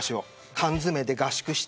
缶詰で合宿して。